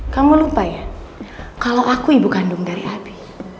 kamu lupa ya kalau aku ibu kandung dari api